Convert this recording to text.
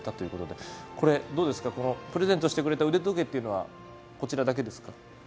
プレゼントしてくれた腕時計というのはこちらだけですか？